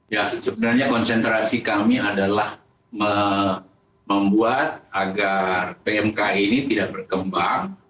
ya sebenarnya konsentrasi kami adalah membuat agar pmk ini tidak berkembang